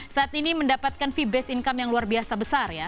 saat ini mendapatkan fee based income yang luar biasa besar ya